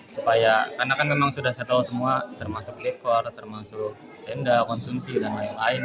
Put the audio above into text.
supaya karena kan memang sudah settle semua termasuk dekor termasuk tenda konsumsi dan lain lain